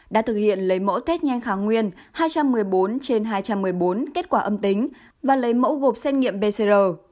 đã thực hiện lấy mẫu test nhanh kháng nguyên hai trăm một mươi bốn trên hai trăm một mươi bốn kết quả âm tính và lấy mẫu gộp xét nghiệm pcr